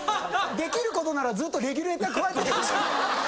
出来ることならずっとレギュレーターくわえててほしい。